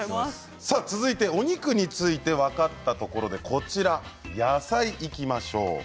さあ続いてお肉について分かったところでこちら野菜いきましょう。